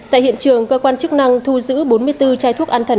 tại hiện trường cơ quan chức năng thu giữ bốn mươi bốn chai thuốc an thần